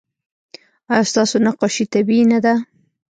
ایا ستاسو نقاشي طبیعي نه ده؟